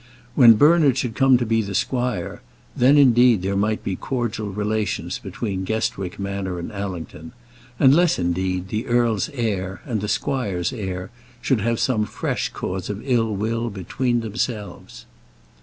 When Bernard should come to be the squire, then indeed there might be cordial relations between Guestwick Manor and Allington; unless, indeed, the earl's heir and the squire's heir should have some fresh cause of ill will between themselves.